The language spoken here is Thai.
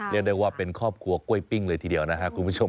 เรียกได้ว่าเป็นครอบครัวกล้วยปิ้งเลยทีเดียวนะครับคุณผู้ชม